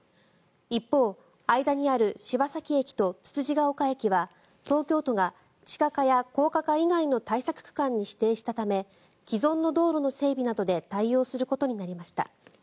一方、間にある柴崎駅とつつじヶ丘駅は東京都が地下化や高架化以外の対策区間に指定したため既存の道路の整備などで対応することになりました。